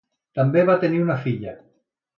També va tenir una filla.